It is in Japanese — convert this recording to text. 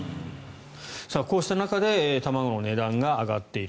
こうした中で卵の値段が上がっている。